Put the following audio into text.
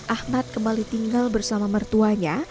ahmad kembali tinggal bersama mertuanya